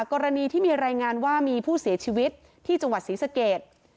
กรณีที่มีรายงานว่ามีผู้เสียชีวิตที่จังหวัดศรีสเกต